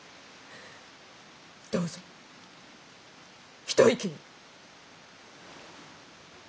どうぞ一息に。